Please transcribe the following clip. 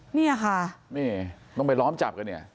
เนี่ยค่ะนี่ต้องไปล้อมจับกันเนี่ย